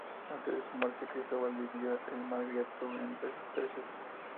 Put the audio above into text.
Antes de su muerte, Cristóbal dividió el margraviato entre sus tres hijos.